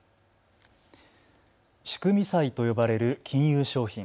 仕組み債と呼ばれる金融商品。